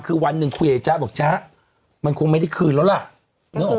คือวันหนึ่งคุยกับไอ้จ๊ะบอกจ๊ะมันคงไม่ได้คืนแล้วล่ะนึกออก